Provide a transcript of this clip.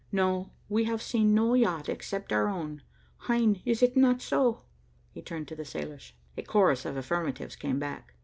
"No, we have seen no yacht except your own. Hein! is it not so?" he turned to the sailors. A chorus of affirmatives came back.